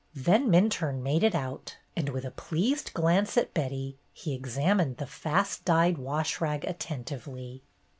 Then Minturne made it out, and with a pleased glance at Betty, he examined the fast dyed wash rag attentively.